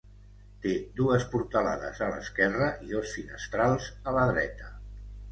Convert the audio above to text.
Té dues portalades a l'esquerra i dos finestrals a la dreta.